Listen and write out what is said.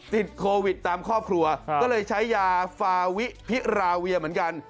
ติดโควิดตามครอบครัวก็เลยใช้ยาฟาวิพิราเวียเหมือนกัน